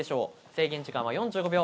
制限時間は４５秒。